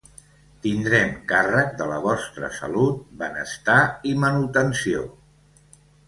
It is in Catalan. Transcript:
Tindrem càrrec de la vostra salut, benestar i manutenció.